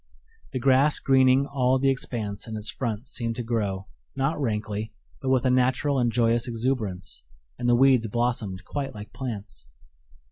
The grass greening all the expanse in its front seemed to grow, not rankly, but with a natural and joyous exuberance, and the weeds blossomed quite like plants.